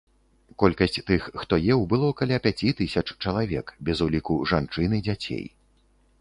Колькасць тых, хто еў, было каля пяці тысяч чалавек, без уліку жанчын і дзяцей.